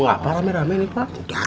lagi nunggu apa rame rame nih pak